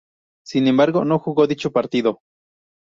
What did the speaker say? Sin embargo, no jugó dicho partido.